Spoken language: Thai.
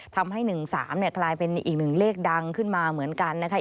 ทำให้๑๓กลายเป็นอีกหนึ่งเลขดังขึ้นมาเหมือนกันนะคะ